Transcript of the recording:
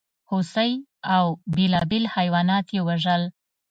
هوسۍ او بېلابېل حیوانات یې وژل.